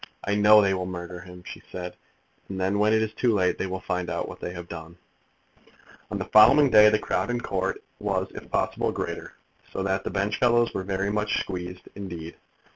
"I know they will murder him," she said, "and then when it is too late they will find out what they have done!" [Illustration: "Violet, they will murder him."] On the following day the crowd in Court was if possible greater, so that the benchfellows were very much squeezed indeed.